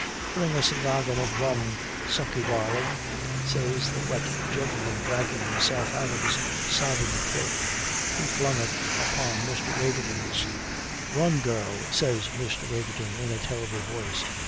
"Bring us a noggin of rum, Sukey, darling," says the wet gentleman, dragging himself out of his sodden cloak. He flung it upon Mr. Waverton's. "Run, girl!" says Mr. Waverton, in a terrible voice.